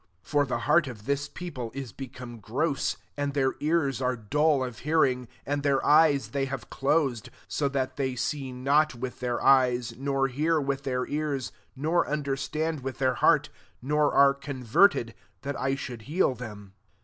15 <*For the heart of this people is become gross, and their eu« are dull of hearing, and their eyes they have closed ; io that they see not with their eyes, nor hear with their ears, nor under stand with their heart, nor are converted, that I should heal them.'